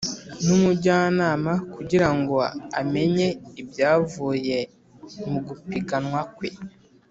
n’umujyanama kugira ngo amenye ibyavuye mu gupimwa kwe.